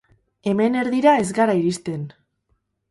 Hemen erdira ez gara iristen.